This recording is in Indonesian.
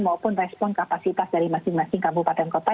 maupun respon kapasitas dari masing masing kabupaten kota